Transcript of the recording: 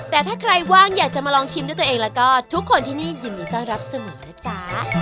แต่ถ้าใครว่างอยากจะมาลองชิมด้วยตัวเองแล้วก็ทุกคนที่นี่ยินดีต้อนรับเสมอนะจ๊ะ